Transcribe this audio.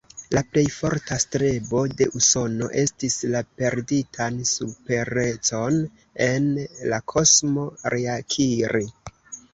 La plej forta strebo de Usono estis, la perditan superecon en la kosmo reakiri.